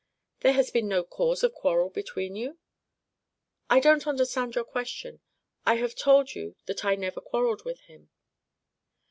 "There had been no cause of quarrel between you?" "I don't understand your question. I have told you that I never quarrelled with him."